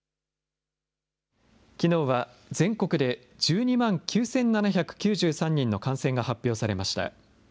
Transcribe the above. きのうは全国で１２万９７９３人の感染が発表されました。